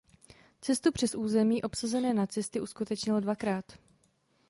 Cestu přes území obsazené nacisty uskutečnil dvakrát.